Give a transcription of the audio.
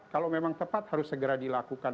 kalau memang tepat harus segera dilakukan